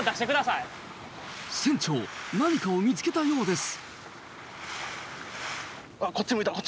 船長何かを見つけたようです。